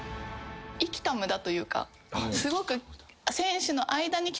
生きた無駄というかすごく。